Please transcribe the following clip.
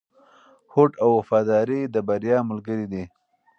هوډ او وفاداري د بریا ملګري دي.